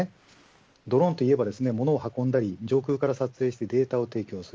ドローンといえばものを運んだり上空から撮影してデータを提供する